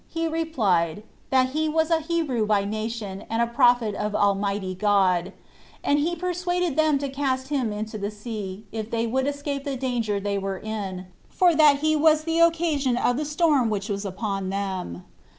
he replied, that he was a Hebrew by nation, and a prophet of Almighty God; and he persuaded them to cast him into the sea, if they would escape the danger they were in, for that he was the occasion of the storm which was upon them.